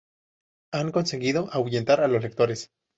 Han conseguido ahuyentar a los lectores.